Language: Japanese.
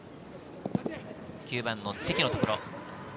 ９番・積のところ。